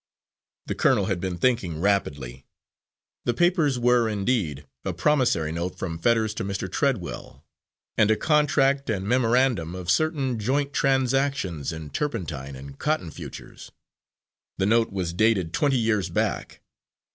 The colonel had been thinking rapidly. The papers were, indeed, a promissory note from Fetters to Mr. Treadwell, and a contract and memorandum of certain joint transactions in turpentine and cotton futures. The note was dated twenty years back.